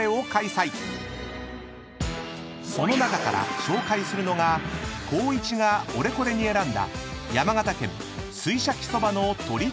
［その中から紹介するのが光一がオレコレに選んだ］